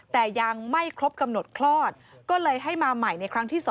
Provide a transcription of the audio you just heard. แต่ยังไม่ครบกำหนดคลอดก็เลยให้มาใหม่ในครั้งที่๒